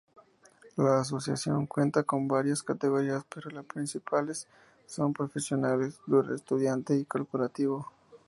La asociación cuenta con varias categorías, pero las principales son profesional, estudiante y corporativo.